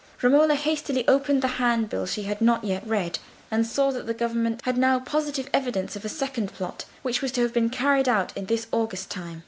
Romola hastily opened the handbill she had not yet read, and saw that the government had now positive evidence of a second plot, which was to have been carried out in this August time.